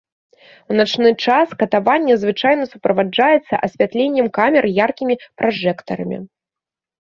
У начны час катаванне звычайна суправаджаецца асвятленнем камер яркімі пражэктарамі.